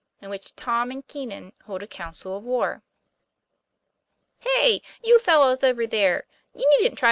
IN WHICH TOM AND KEEN AN HOLD A COUNCIL OF WAR. "TTEY! you fellows over there; you needn't try .